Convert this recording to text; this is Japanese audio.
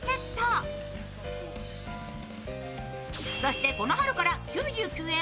そしてこの春から９９円